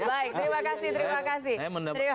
baik terima kasih terima kasih